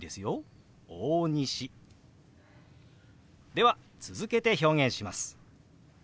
では続けて表現します。